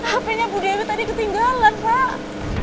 hpnya bu dewi tadi ketinggalan pak